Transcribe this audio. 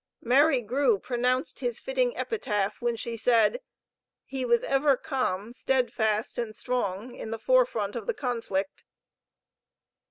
Mary Grew pronounced his fitting epitaph when she said: "He was ever calm, steadfast, and strong in the fore front of the conflict."